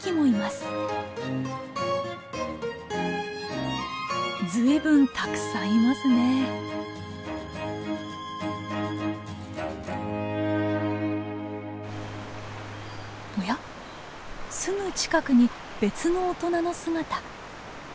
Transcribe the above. すぐ近くに別の大人の姿。